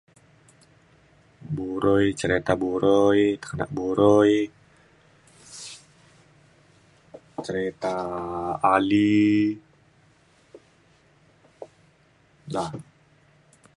burui cerita burui tekenak burui cerita Ali da.